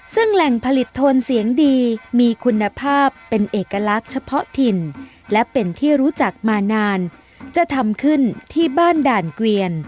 ซึ่งแหล่งผลิตโทนเสียงดีมีคุณภาพเป็นเอกลักษณ์เฉพาะถิ่นและเป็นที่รู้จักมานานจะทำขึ้นที่บ้านด่านเกวียน